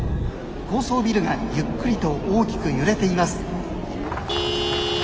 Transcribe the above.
高層ビルがゆっくりと大きく揺れています」。